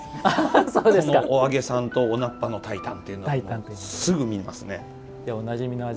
このお揚げさんとお菜っぱの炊いたんはすぐ見ますね。